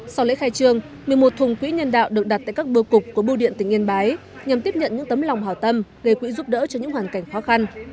sau lễ khai trương một mươi một thùng quỹ nhân đạo được đặt tại các bưu cục của bưu điện tỉnh yên bái nhằm tiếp nhận những tấm lòng hào tâm gây quỹ giúp đỡ cho những hoàn cảnh khó khăn